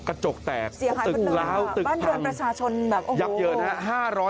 กระจกแตกตึกล้าวตึกพังบ้านเดือนประชาชนอยากเยินครับ